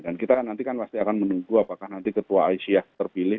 dan kita nanti kan pasti akan menunggu apakah nanti ketua aisyah terpilih